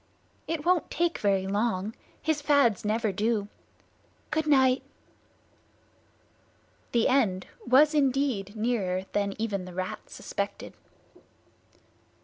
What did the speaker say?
It won't take very long. His fads never do. Good night!" The end was indeed nearer than even the Rat suspected.